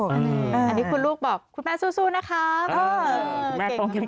อันนี้คุณลูกบอกคุณแม่สู้นะครับ